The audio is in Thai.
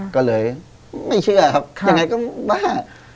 ก็เลยไม่เชื่อครับยังไงก็บ้า